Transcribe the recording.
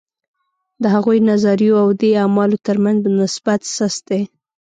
د هغو نظریو او دې اعمالو ترمنځ نسبت سست دی.